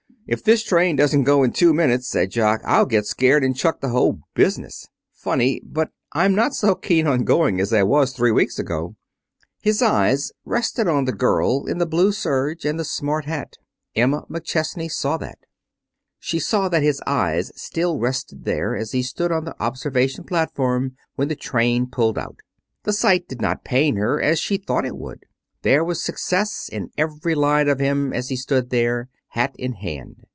"If this train doesn't go in two minutes," said Jock, "I'll get scared and chuck the whole business. Funny, but I'm not so keen on going as I was three weeks ago." His eyes rested on the girl in the blue serge and the smart hat. Emma McChesney saw that. She saw that his eyes still rested there as he stood on the observation platform when the train pulled out. The sight did not pain her as she thought it would. There was success in every line of him as he stood there, hat in hand.